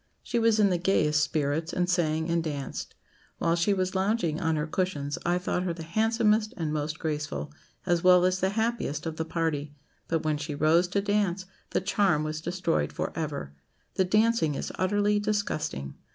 She was in the gayest spirits, and sang and danced. While she was lounging on her cushions, I thought her the handsomest and most graceful, as well as the happiest, of the party; but when she rose to dance, the charm was destroyed for ever. The dancing is utterly disgusting.